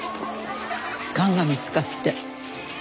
がんが見つかって。